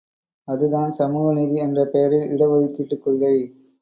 அதுதான் சமூகநீதி என்ற பெயரில் இட ஒதுக்கீட்டுக் கொள்கை!